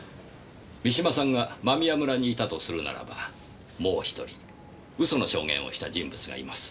三島さんが間宮村にいたとするならばもう１人嘘の証言をした人物がいます。